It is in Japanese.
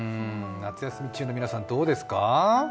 夏休み中の皆さん、どうですか？